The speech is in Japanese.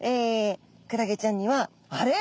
クラゲちゃんにはあれ？